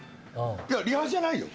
リハじゃないよ？